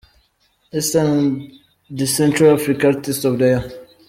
Eastern and central Africa artist of the year.